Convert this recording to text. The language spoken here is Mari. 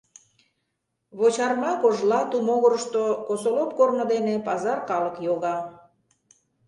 Вочарма кожла ту могырышто Косолоп корно дене пазар калык йога.